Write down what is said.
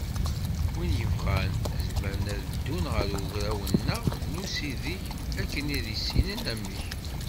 Wid yebɣan, zemren ad d-ddun ɣer ugraw-nneɣ n usideg akken ad issinen amek.